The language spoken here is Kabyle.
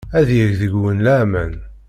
Ad yeg deg-wen laman.